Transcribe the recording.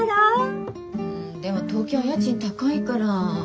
うんでも東京は家賃高いから。